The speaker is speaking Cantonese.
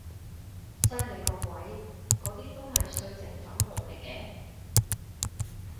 犀利個鬼，嗰啲都係歲靜粉紅嚟嘅